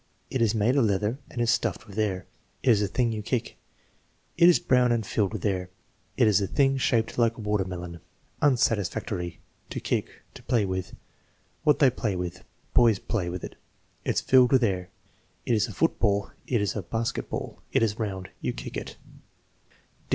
"It is made of leather and is stuffed with air." "It is a thing you kick." "It is brown and filled with air." "It is a thing shaped like a watermelon." Unsatisfactory: "To kick." "To play with." "What they play with." "Boys play with it." "It's filled with air." "It is a foot ball." "It is a basket ball." "It is round." "You kick it."